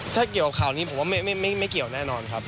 ถ้าเกี่ยวกับข่าวนี้ผมว่าไม่เกี่ยวแน่นอนครับ